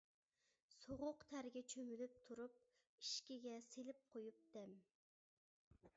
سوغۇق تەرگە چۆمۈلۈپ تۇرۇپ، ئىشىكىگە سېلىپ قويۇپ دەم.